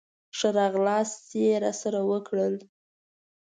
ښه راغلاست یې راسره وکړل.